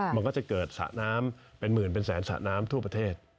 มันก็จะเกิดสระน้ำเป็นหมื่นเป็นแสนสระน้ำทั่วประเทศ